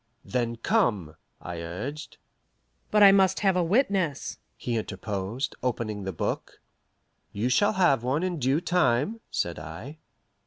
"Then come," I urged. "But I must have a witness," he interposed, opening the book. "You shall have one in due time," said I.